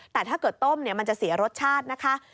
แต่ถ้าเกิดต้มมันจะเสียรสชาตินะคะ